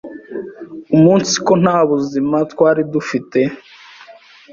umunsiko nta buzima twari dufite